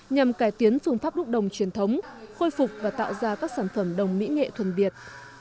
nhằm cải tiến phương pháp đúc đồng truyền thống khôi phục và tạo ra các sản phẩm đồng mỹ nghệ thuần việt